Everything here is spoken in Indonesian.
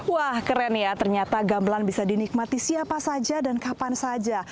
wah keren ya ternyata gamelan bisa dinikmati siapa saja dan kapan saja